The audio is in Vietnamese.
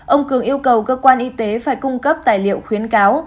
ông cường yêu cầu cơ quan y tế phải cung cấp tài liệu khuyến cáo